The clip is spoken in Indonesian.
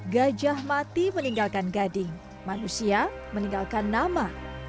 gajah mati meninggalkan gading manusia meninggalkan nama